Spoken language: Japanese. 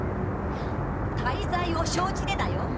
大罪を承知でだよ！